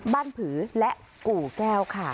ผือและกู่แก้วค่ะ